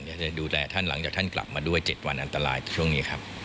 จะดูแลท่านหลังจากท่านกลับมาด้วย๗วันอันตรายช่วงนี้ครับ